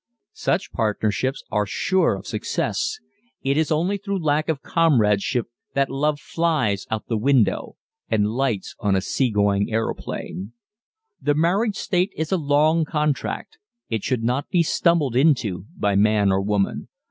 Such partnerships are sure of success. It is only through lack of comradeship that love flies out of the window and lights on a sea going aeroplane. The marriage state is a long contract it should not be stumbled into by man or woman.